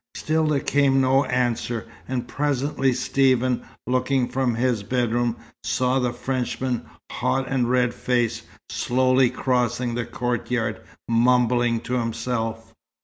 Still there came no answer; and presently Stephen, looking from his bedroom, saw the Frenchman, hot and red faced, slowly crossing the courtyard, mumbling to himself.